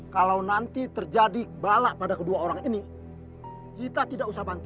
kalau nanti terjadi balap pada kedua orang ini kita tidak usah bantu